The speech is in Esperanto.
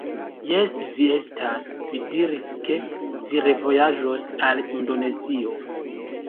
Jes vi estas! Vi diris, ke vi revojaĝos al Indonezio!